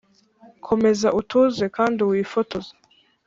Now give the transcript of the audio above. komeza utuze kandi wifotoze.